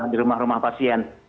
di rumah rumah pasien